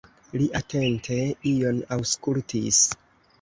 Li atente ion aŭskultis.